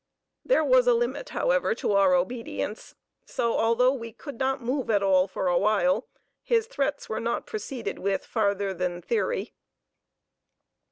There was a limit, however, to our obedience, so although we could not move at all for awhile, his threats were not proceeded with farther than theory.